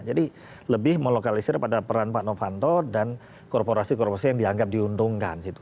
jadi lebih melokalisir pada peran pak novanto dan korporasi korporasi yang dianggap diungkap